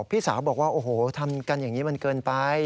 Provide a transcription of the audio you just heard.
พี่สาวบอกว่าโอ้โหทำกันอย่างนี้มันเกินไป